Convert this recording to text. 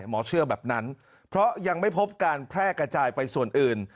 หมอเชื่อแบบนั้นเพราะยังไม่พบการแพร่กระจายไปส่วนอื่น